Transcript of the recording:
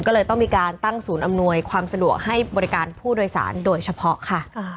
ก็เลยต้องมีการตั้งศูนย์อำนวยความสะดวกให้บริการผู้โดยสารโดยเฉพาะค่ะ